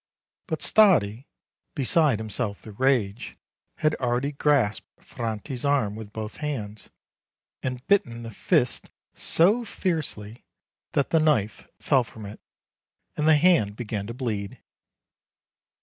But Stardi, beside himself with rage, had already grasped Franti's arm with both hands, and bitten the fist so fiercely that the knife fell from it, and the hand began to bleed.